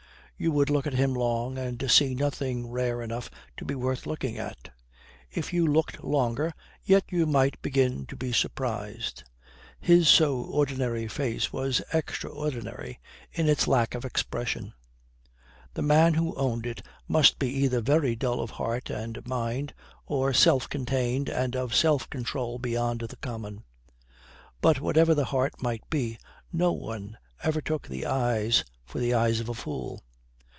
You would look at him long and see nothing rare enough to be worth looking at. If you looked longer yet you might begin to be surprised: his so ordinary face was extraordinary in its lack of expression. The man who owned it must be either very dull of heart and mind, or self contained and of self control beyond the common. But whatever the heart might be, no one ever took the eyes for the eyes of a fool.